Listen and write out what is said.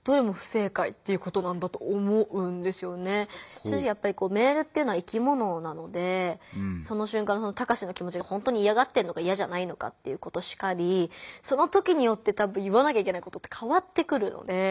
正直やっぱりメールっていうのは生きものなのでその瞬間のタカシの気もちがほんとにいやがってるのかいやじゃないのかっていうことしかりその時によって多分言わなきゃいけないことって変わってくるので。